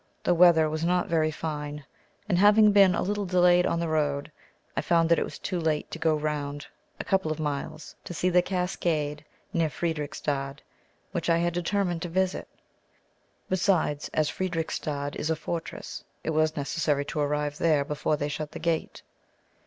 The weather was not very fine, and having been a little delayed on the road, I found that it was too late to go round, a couple of miles, to see the cascade near Fredericstadt, which I had determined to visit. Besides, as Fredericstadt is a fortress, it was necessary to arrive there before they shut the gate.